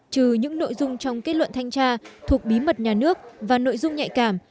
trừ những nội dung trong kết luận thanh tra thuộc bí mật nhà nước và nội dung nhạy cảm